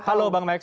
kita sama sama tahu